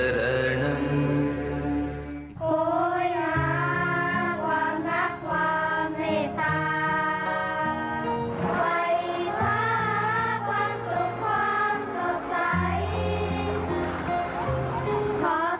เพราะเพียงมีใครเพื่ออาทอ